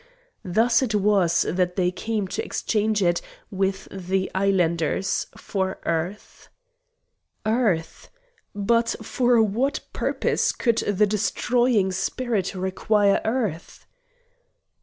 Thus it was that they came to exchange it with the islanders for earth. Earth! But for what purpose could the Destroying Spirit require earth?